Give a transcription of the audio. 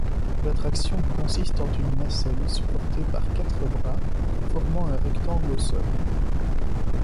L'attraction consiste en une nacelle supportée par quatre bras formant un rectangle au sol.